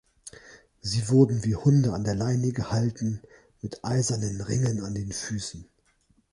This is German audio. Sie wurden wie Hunde an der Leine gehalten, mit eisernen Ringen an den Füßen.